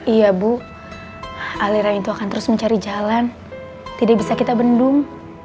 iya bu aliran itu akan terus mencari jalan tidak bisa kita bendung